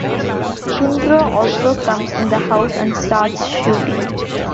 Tundro also comes in the house and starts shooting.